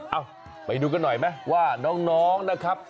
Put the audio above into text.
เอ้าไปดูกันหน่อยไหมว่าน้องนะครับ